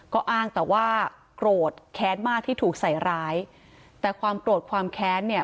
ก็อ้างแต่ว่าโกรธแค้นมากที่ถูกใส่ร้ายแต่ความโกรธความแค้นเนี่ย